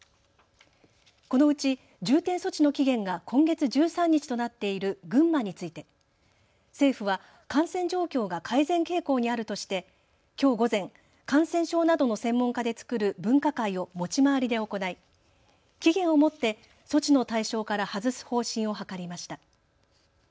このうち重点措置の期限が今月１３日となっている群馬について政府は感染状況が改善傾向にあるとしてきょう午前、感染症などの専門家で作る分科会を持ち回りで行い、期限をもって措置の対象から外す方針を諮りました。